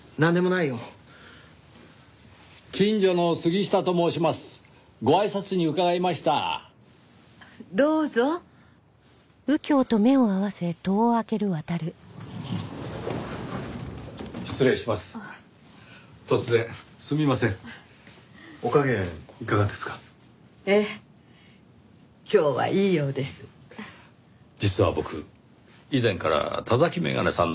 実は僕以前から田崎眼鏡さんのファンでして。